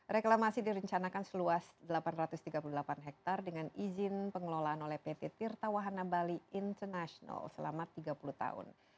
reklamasi direncanakan seluas delapan ratus tiga puluh delapan hektare dengan izin pengelolaan oleh pt tirta wahana bali international selama tiga puluh tahun